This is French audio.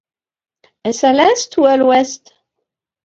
Est-ce à l’est ou à l’ouest?